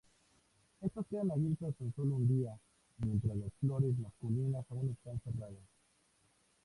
Estas quedan abiertas tan sólo un día, mientras las flores masculinas aún están cerradas.